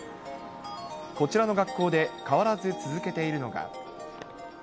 こちらの学校で変わらず続けているのが。